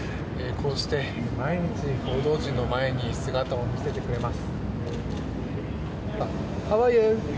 こうして、毎日報道陣の前に姿を見せてくれます。